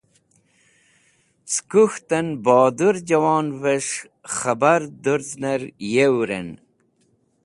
Cẽ kuk̃htẽn bodur jẽwonvẽs̃h khẽbar durzẽnẽr yewrẽn.